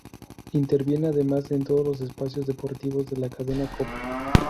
Interviene además en todos los espacios deportivos de la Cadena Cope.